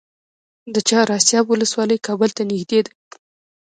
د چهار اسیاب ولسوالۍ کابل ته نږدې ده